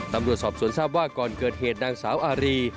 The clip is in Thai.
ตำรวจสอบสวนทราบว่าก่อนเกิดเหตุนางสาวอารี